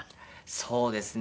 そうですね。